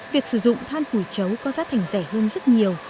việc sử dụng than củi chấu có giá thành rẻ hơn rất nhiều